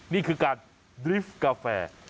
นี่คือการดริฟต์กาแฟ